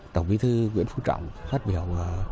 tổng bí thư nguyễn phú trọng phát biểu